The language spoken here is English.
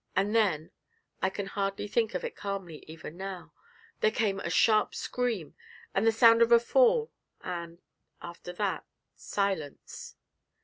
And then I can hardly think of it calmly even now there came a sharp scream, and the sound of a fall, and, after that, silence.